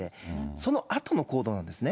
そのあとの行動なんですね。